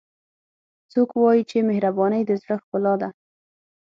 څوک وایي چې مهربانۍ د زړه ښکلا ده